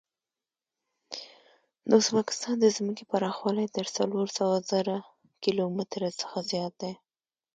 د ازبکستان د ځمکې پراخوالی تر څلور سوه زره کیلو متره څخه زیات دی.